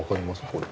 これ。